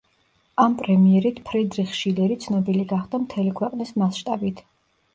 ამ პრემიერით ფრიდრიხ შილერი ცნობილი გახდა მთელი ქვეყნის მასშტაბით.